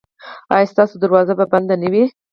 ایا ستاسو دروازه به بنده وي؟